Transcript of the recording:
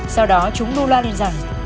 sau đó chúng đu loa lên rằng